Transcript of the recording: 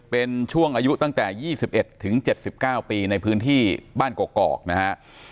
เป็นช่วงอายุตั้งแต่ยี่สิบเอ็ดถึงเจ็ดสิบเก้าปีในพื้นที่บ้านกรอกกรอกนะฮะ